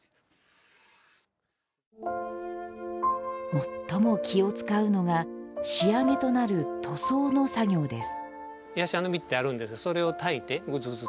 最も気を使うのが仕上げとなる塗装の作業です。